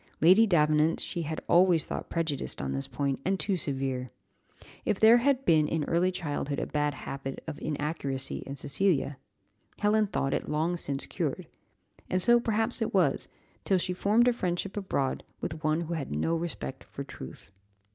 Lady Davenant she had always thought prejudiced on this point, and too severe. If there had been in early childhood a bad habit of inaccuracy in Cecilia, Helen thought it long since cured; and so perhaps it was, till she formed a friendship abroad with one who had no respect for truth.